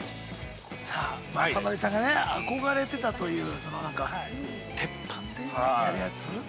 ◆さあ、まさのりさんが憧れてたという鉄板でやるやつ。